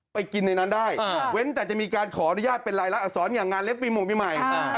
ไปกินในนั้นได้เว้นแต่จะมีการขออนุญาตเป็นรายละอักษรอย่างงานเลี้ยปีโมงปีใหม่